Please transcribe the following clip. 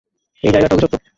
এই জায়গাটা অভিশপ্ত!